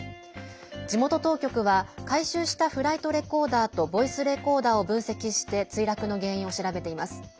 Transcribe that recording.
地元当局は回収したフライトレコーダーとボイスレコーダーを分析して墜落の原因を調べています。